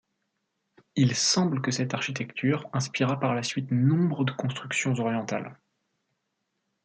Il semble que cette architecture inspira par la suite nombre de constructions orientales.